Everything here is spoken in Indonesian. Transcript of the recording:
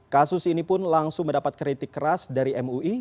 kasus ini pun langsung mendapat kritik keras dari mui